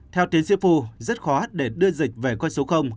theo tiến sĩ phu rất khó để đưa dịch về quê số